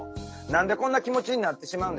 何でこんな気持ちになってしまうんでしょうかね？